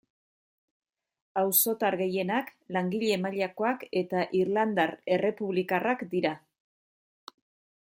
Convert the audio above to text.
Auzotar gehienak langile mailakoak eta irlandar errepublikarrak dira.